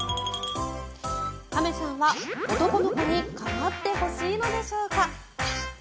亀さんは男の子に構ってほしいのでしょうか。